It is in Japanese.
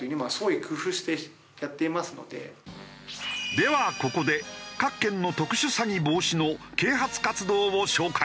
ではここで各県の特殊詐欺防止の啓発活動を紹介。